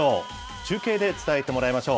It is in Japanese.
中継で伝えてもらいましょう。